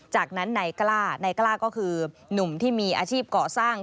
จากนั้นนายกล้านายกล้าก็คือหนุ่มที่มีอาชีพเกาะสร้าง